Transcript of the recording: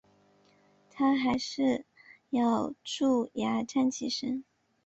她还是咬著牙站起身